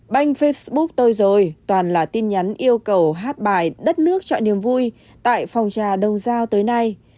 banh facebook tôi rồi toàn là tin nhắn yêu cầu hát bài đất nước chọn niềm vui tại phòng trà đông giao tới nay